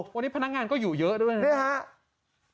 วันนี้พนักงานก็อยู่เยอะด้วยนะครับ